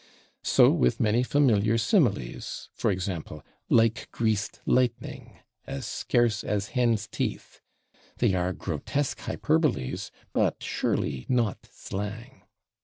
So with many familiar similes, /e. g./, /like greased lightning/, /as scarce as hen's teeth/; they are grotesque hyperboles, but surely not slang.